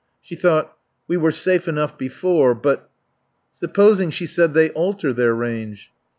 She thought: We were safe enough before, but "Supposing," she said, "they alter their range?"